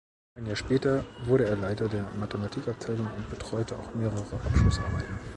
Ein Jahr später wurde er Leiter der Mathematikabteilung und betreute auch mehrere Abschlussarbeiten.